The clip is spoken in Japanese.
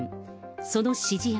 その指示役、